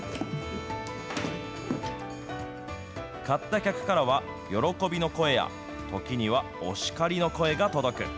買った客からは、喜びの声や、時にはお叱りの声が届く。